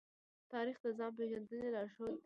تاریخ د ځان پېژندنې لارښود دی.